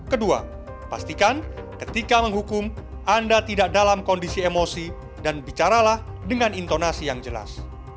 kedua pastikan ketika menghukum anda tidak dalam kondisi emosi dan bicaralah dengan intonasi yang jelas